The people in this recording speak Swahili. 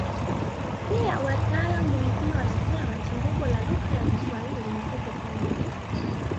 Pia wataalamu wengine wanasema chimbuko la lugha ya Kiswahili ni huko Kongo